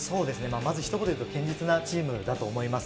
まずひと言で言うと堅実なチームだと思います。